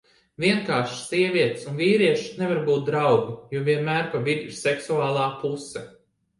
Vienkārši sievietes un vīrieši nevar būt draugi, jo vienmēr pa vidu ir seksuālā puse.